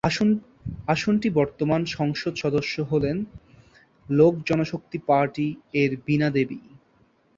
আসনটির বর্তমান সংসদ সদস্য হলেন লোক জন শক্তি পার্টি-এর বীণা দেবী।